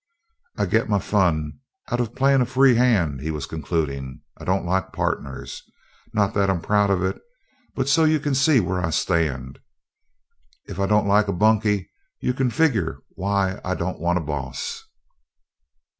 "I get my fun out of playing a free hand," he was concluding. "I don't like partners. Not that I'm proud of it, but so you can see where I stand. If I don't like a bunkie you can figure why I don't want a boss."